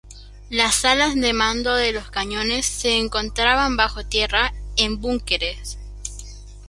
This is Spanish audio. Las salas de mando de los cañones se encontraban bajo tierra, en búnkeres.